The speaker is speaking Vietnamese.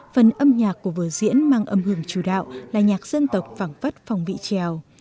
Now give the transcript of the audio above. phần âm nhạc của vở diễn mang âm hưởng chủ đạo là nhạc dân tộc phẳng phất phòng vị trèo